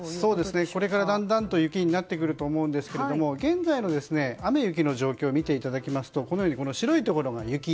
これから、だんだんと雪になってくると思うんですが現在の雨雪の状況を見ていただきますと白いところが雪。